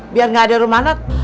biar gak ada rumah